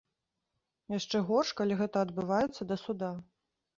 Яшчэ горш, калі гэта адбываецца да суда.